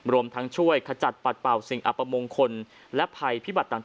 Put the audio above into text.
รวมทั้งช่วยกระจัดปลัดเปล่าสิ่งอะปมงคลและภัยภิบาททั้งไปได้